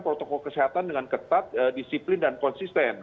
protokol kesehatan dengan ketat disiplin dan konsisten